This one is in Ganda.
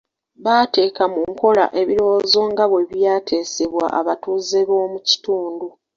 Baateeka mu nkola ebirowoozo nga bwe ebyateesebwa abatuuze b'omu kitundu.